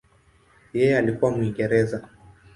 Yeye alikuwa Mwingereza.